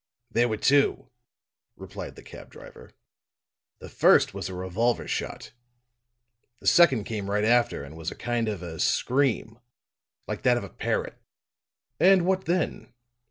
"There were two," replied the cab driver. "The first was a revolver shot; the second came right after, and was a kind of a scream like that of a parrot." "And what then?"